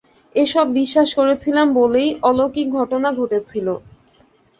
এসবে বিশ্বাস করেছিলাম বলেই, অলৌকিক ঘটনাটা ঘটেছিল।